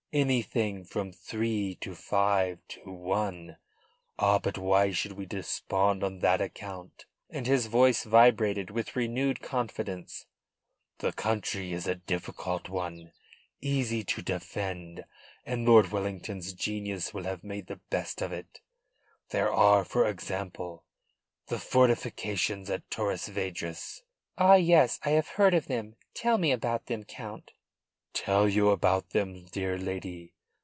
anything from three to five to one. Ah, but why should we despond on that account?" And his voice vibrated with renewed confidence. "The country is a difficult one, easy to defend, and Lord Wellington's genius will have made the best of it. There are, for example, the fortifications at Torres Vedras." "Ah yes! I have heard of them. Tell me about them, Count." "Tell you about them, dear lady?